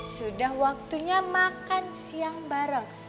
sudah waktunya makan siang bareng